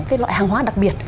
cái loại hàng hóa đặc biệt